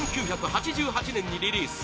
１９８８年にリリース